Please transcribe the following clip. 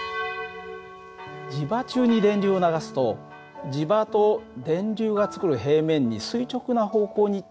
磁場中に電流を流すと磁場と電流がつくる平面に垂直な方向に力が生じます。